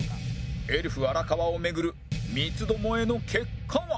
エルフ荒川をめぐる三つどもえの結果は